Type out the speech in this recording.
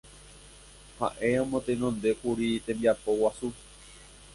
Ha'e omotenondékuri tembiapo guasu